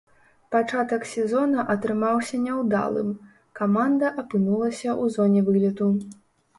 Пачатак сезона атрымаўся няўдалым, каманда апынулася ў зоне вылету.